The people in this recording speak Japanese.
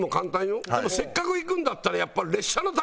でもせっかく行くんだったらやっぱり列車の旅。